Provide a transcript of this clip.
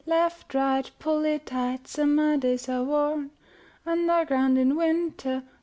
Left, right, pull it tight; Summer days are warra; Underground in Winter.